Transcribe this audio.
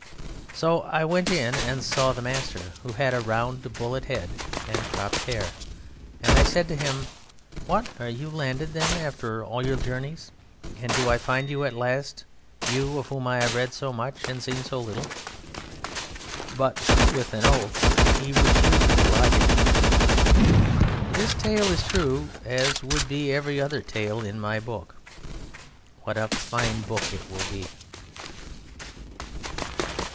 So I went in and saw the master, who had a round bullet head and cropped hair, and I said to him: "What! Are you landed, then, after all your journeys? And do I find you at last, you of whom I have read so much and seen so little?" But with an oath he refused me lodging. This tale is true, as would be every other tale in my book. What a fine book it will be!